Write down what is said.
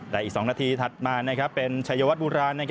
แต่อีก๒นาทีถัดมาเป็นชัยวัดโบราณ